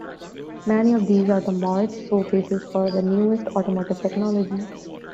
Many of these are the marque's showcases for the newest automotive technology.